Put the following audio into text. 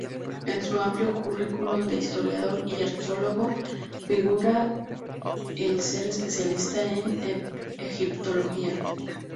En su amplio currículum de historiador y arqueólogo, figura el ser especialista en egiptología.